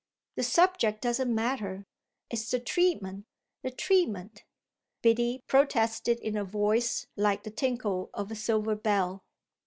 "The subject doesn't matter, it's the treatment, the treatment!" Biddy protested in a voice like the tinkle of a silver bell.